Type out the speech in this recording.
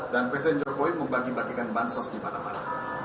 dan presiden jokowi membagi bagikan bansos di mana mana